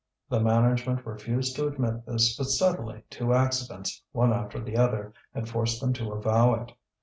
The management refused to admit this, but suddenly two accidents, one after the other, had forced them to avow it.